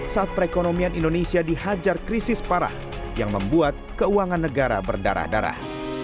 saat perekonomian indonesia dihajar krisis parah yang membuat keuangan negara berdarah darah